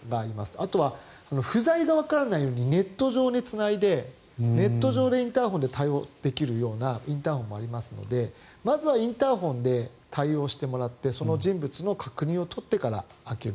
あとは不在がわからないようにネットにつないでネット上でインターホンで対応できるようなインターホンもありますのでまずはインターホンで対応してもらってその人物の確認を取ってから開ける。